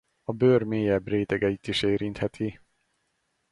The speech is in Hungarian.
A bőr mélyebb rétegeit is érintheti.